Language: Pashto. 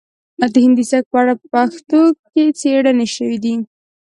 د هندي سبک په اړه په پښتو کې څیړنې شوي دي